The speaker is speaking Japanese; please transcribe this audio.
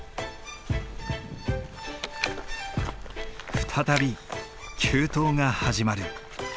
再び急登が始まる。